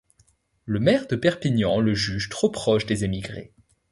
Le maire de Perpignan le juge trop proche des émigrés.